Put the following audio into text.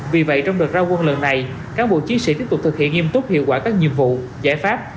vì vậy trong đợt ra quân lần này cán bộ chiến sĩ tiếp tục thực hiện nghiêm túc hiệu quả các nhiệm vụ giải pháp